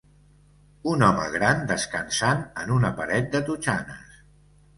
Un home gran descansant en una paret de totxanes.